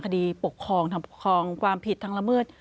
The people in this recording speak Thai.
คดีปกครองทางปกครองความผิดทางละเมิด